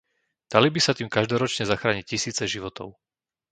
Dali by sa tým každoročne zachrániť tisíce životov.